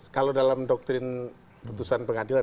kalau dalam doktrin putusan pengadilan